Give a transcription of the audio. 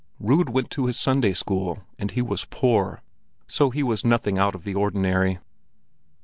Rud went to his Sunday school, and he was poor; so he was nothing out of the ordinary.